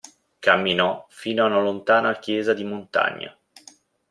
Camminò, fino ad una lontana chiesa di montagna.